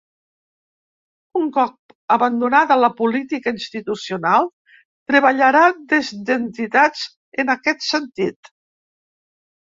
Un cop abandonada la política institucional, treballarà des d’entitats en aquest sentit.